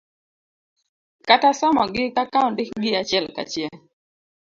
kata somogi kaka ondikgi achiel kachiel